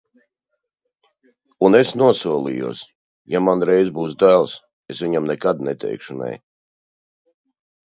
Un es nosolījos: ja man reiz būs dēls, es viņam nekad neteikšu nē.